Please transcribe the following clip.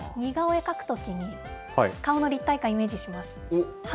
似顔絵描くときに顔の立体感、イメージします。